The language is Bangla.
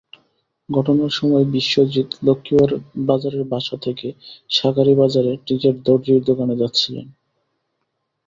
ঘটনার সময় বিশ্বজিত্ লক্ষ্মীবাজারের বাসা থেকে শাঁখারীবাজারে নিজের দরজির দোকানে যাচ্ছিলেন।